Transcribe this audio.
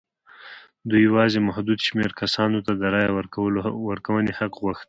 دوی یوازې محدود شمېر کسانو ته د رایې ورکونې حق غوښت.